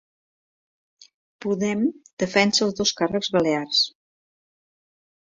Podem defensa els dos càrrecs balears